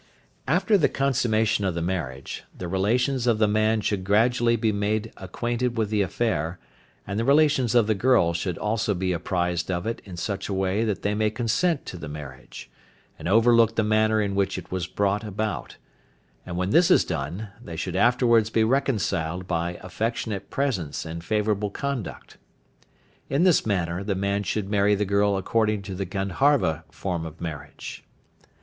After the consummation of the marriage, the relations of the man should gradually be made acquainted with the affair, and the relations of the girl should also be apprised of it in such a way that they may consent to the marriage, and overlook the manner in which it was brought about, and when this is done they should afterwards be reconciled by affectionate presents and favourable conduct. In this manner the man should marry the girl according to the Gandharva form of marriage.